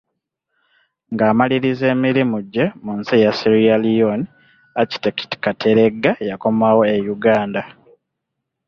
Ng’amalirizza emirimu gye mu nsi eya Sierra Leone, Architect Kateregga yakomawo e Uganda.